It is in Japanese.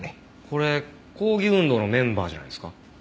これ抗議運動のメンバーじゃないですか？